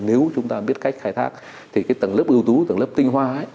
nếu chúng ta biết cách khai thác thì cái tầng lớp ưu tú tầng lớp tinh hoa ấy